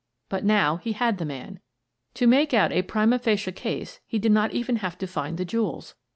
But now he had the man. To make out a prima facie case he did not even have to find the jewels.